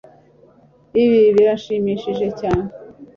Ibi biranshimishije cyane